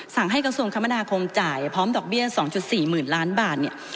ให้กระทรวงคมนาคมจ่ายพร้อมดอกเบี้ย๒๔๐๐๐ล้านบาทเนี่ย